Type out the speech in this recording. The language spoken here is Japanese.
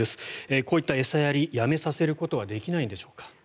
こういった餌やりやめさせることはできないんでしょうか？